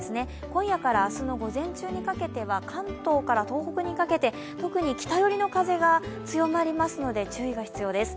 今夜から明日の午前中にかけては関東から東北にかけて特に北寄りの風が強まりますので注意が必要です。